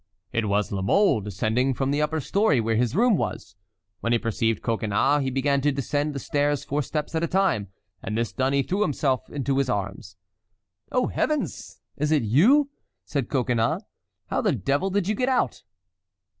It was La Mole descending from the upper story, where his room was. When he perceived Coconnas, he began to descend the stairs four steps at a time, and this done he threw himself into his arms. "Oh, Heavens! is it you?" said Coconnas. "How the devil did you get out?"